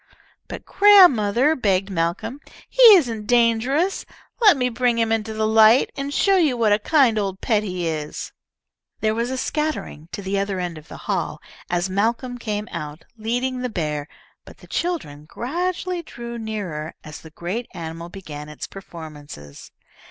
"But, grandmother," begged Malcolm, "he isn't dangerous. Let me bring him into the light, and show you what a kind old pet he is." There was a scattering to the other end of the hall as Malcolm came out, leading the bear, but the children gradually drew nearer as the great animal began its performances.